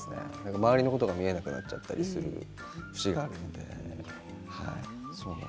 周りのことが見えなくなっちゃったりする節があるので。